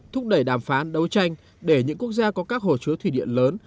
thúc đẩy đàm phán đấu tranh để những quốc gia có các hồ chứa thủy điện lớn